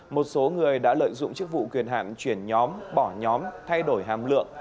một số người đã lợi dụng chức vụ quyền hạn chuyển nhóm bỏ nhóm thay đổi hàm lượng